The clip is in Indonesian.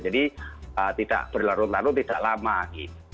jadi berlarut larut tidak lama gitu